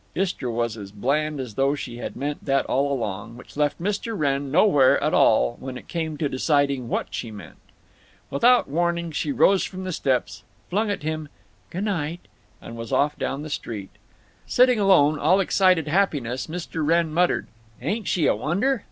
Istra was as bland as though she had meant that all along, which left Mr. Wrenn nowhere at all when it came to deciding what she meant. Without warning she rose from the steps, flung at him "G' night," and was off down the street. Sitting alone, all excited happiness, Mr. Wrenn muttered: "Ain't she a wonder!